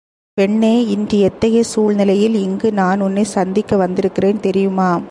பெண்ணே இன்று எத்தகைய சூழ்நிலையில் இங்கு நான் உன்னைச் சந்திக்க வந்திருக்கிறேன் தெரியுமா?